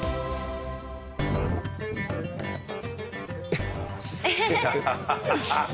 えっ？